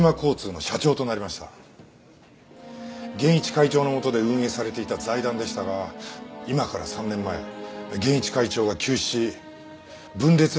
会長のもとで運営されていた財団でしたが今から３年前玄一会長が急死し分裂の危機を迎えました。